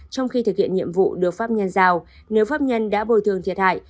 trong khi thực hiện nhiệm vụ được pháp nhân giao nếu pháp nhân đã bồi thường thiệt hại